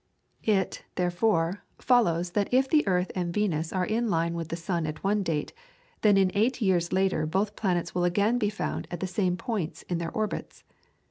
It, therefore, follows that if the earth and Venus are in line with the sun at one date, then in eight years later both planets will again be found at the same points in their orbits.